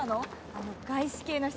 あの外資系の人だっけ？